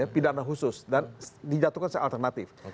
pidana khusus dan dijatuhkan secara alternatif